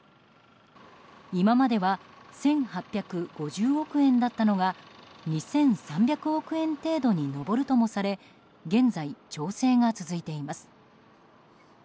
今までは１８５０億円だったのが２３００億円程度に上るともされ現在、調整が続いています。